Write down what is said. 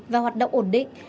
và hoạt động ổn định